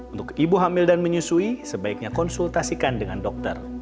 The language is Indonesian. untuk ibu hamil dan menyusui sebaiknya konsultasikan dengan dokter